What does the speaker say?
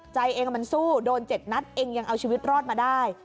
ใจเองมันสู้โดน๗นัดเองยังเอาชีวิตรอดมาได้